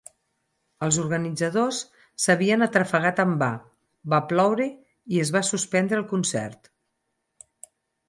Els organitzadors s'havien atrafegat en va: va ploure i es va suspendre el concert.